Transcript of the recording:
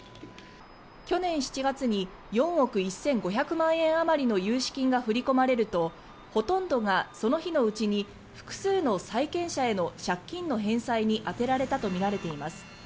去年７月に４億１５００万円あまりの融資金が振り込まれるとほとんどがその日のうちに複数の債権者への借金の返済に充てられたとみられています。